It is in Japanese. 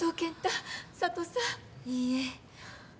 いいえ。